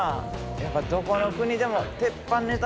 やっぱどこの国でも鉄板ネタなんやろな。